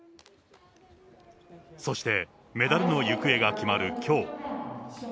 そして、メダルの行方が決まるきょう。